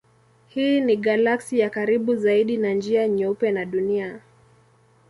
Hii ni galaksi ya karibu zaidi na Njia Nyeupe na Dunia.